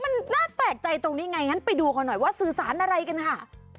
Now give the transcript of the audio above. มันน่าแปลกใจตรงนี้ไงงั้นไปดูเขาหน่อยว่าสื่อสารอะไรกันค่ะ